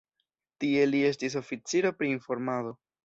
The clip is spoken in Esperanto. Tie li estis oficiro pri informado.